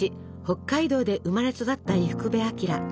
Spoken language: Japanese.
北海道で生まれ育った伊福部昭。